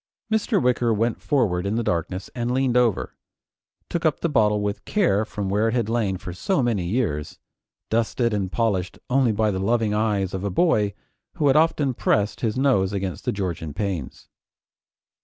Mr. Wicker went forward in the darkness and leaning over, took up the bottle with care from where it had lain for so many years, dusted and polished only by the loving eyes of a boy who had often pressed his nose against the Georgian panes.